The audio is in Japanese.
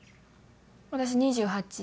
私２８。